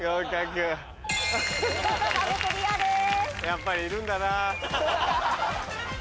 やっぱりいるんだな。